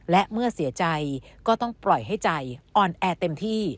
และเมื่อเสียใจก็ต้องปล่อยให้ใจอ่อนแอเต็มที่